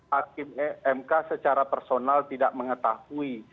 hakim mk secara personal tidak mengetahui